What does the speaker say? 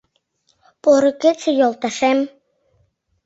— Поро кече, йолташем!